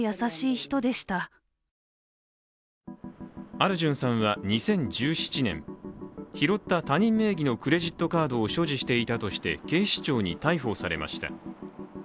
アルジュンさんは２０１７年拾った他人名義のクレジットカードを所持していたとして警視庁に逮捕されました。